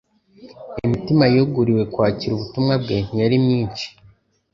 Imitima yuguruuiwe kwakira ubuntu bwe ntiyari myinshi,